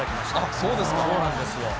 そうなんですよ。